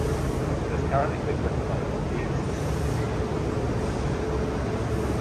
It is currently being written by Yves Sente and Youri Jigounov.